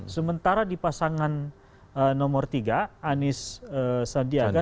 sementara di pasangan nomor tiga anies sandiaga